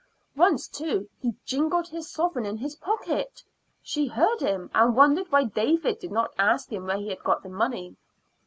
Once, too, he jingled the sovereign in his pocket; she heard him, and wondered why David did not ask him where he had got the money.